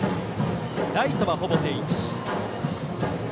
ライトはほぼ定位置。